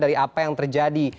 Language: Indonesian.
dari apa yang terjadi